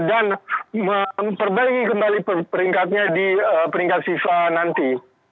dan memperbaiki kembali peringkatnya di peringkat sisa nanti